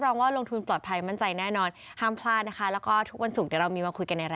ก็ช่วงนี้ก็กลับไปที่คอมเม้นท์ครับผม